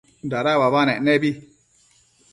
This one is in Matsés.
dada uabanec nebi